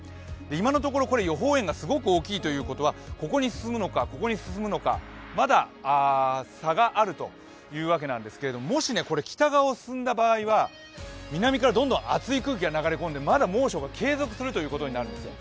今のところ、これ予報円がすごく大きいということは、ここに進むのか、ここに進むのかまだ差があるということなんですがもし北側を進んだ場合は南からどんどん熱い空気が流れ込んでまだ猛暑が継続するということになるんですよ。